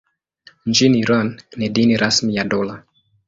Nchini Iran ni dini rasmi ya dola.